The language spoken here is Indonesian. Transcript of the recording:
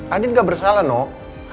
andin gak bersalah